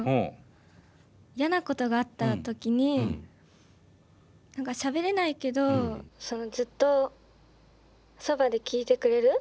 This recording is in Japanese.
嫌なことがあった時に何かしゃべれないけどずっとそばで聞いてくれる。